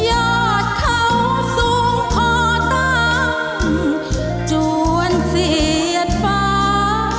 ยอดเขาสูงพอตั้งจวนเสียดฟ้า